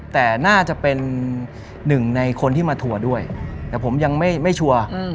แต่น่าจะเป็นหนึ่งในคนที่มาทัวร์ด้วยแต่ผมยังไม่ชัวร์